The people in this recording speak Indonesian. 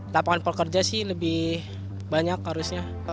lapangan pekerja sih lebih banyak harusnya